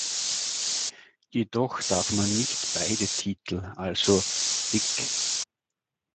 Jedoch darf man nicht beide Titel, also "lic.